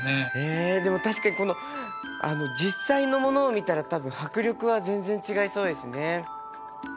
えでも確かにこの実際のものを見たら多分迫力は全然違いそうですね。